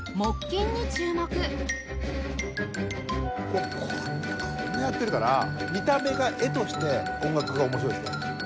こうこんなやってるから見た目が画として音楽が面白いですね。